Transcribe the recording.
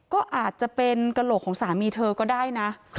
ก็อาจจะเป็นกระโหลกของสามีเธอก็ได้นะ